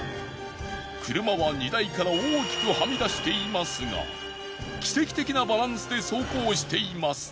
車は荷台から大きくはみ出していますが奇跡的なバランスで走行しています。